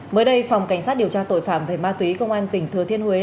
mới đây phòng cảnh sát điều tra tội phạm về ma túy công an tỉnh thừa thiên huế